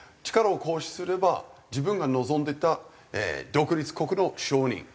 力を行使すれば自分が望んでた独立国の承認